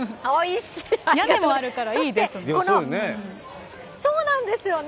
屋根もあるからいいですね。